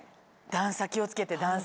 段差気をつけて段差。